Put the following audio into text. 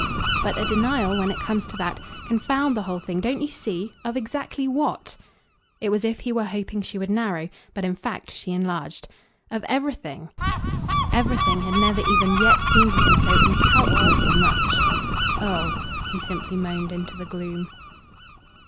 "But a denial, when it comes to that confound the whole thing, don't you see! of exactly what?" It was as if he were hoping she would narrow; but in fact she enlarged. "Of everything." Everything had never even yet seemed to him so incalculably much. "Oh!" he simply moaned into the gloom.